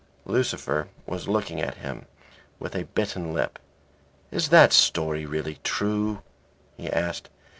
Lucifer was looking at him with a bitten lip. "Is that story really true?" he asked.